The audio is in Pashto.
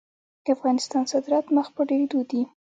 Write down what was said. د افغانستان صادرات مخ په ډیریدو دي